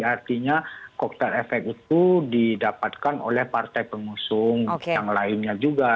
artinya koktel efek itu didapatkan oleh partai pengusung yang lainnya juga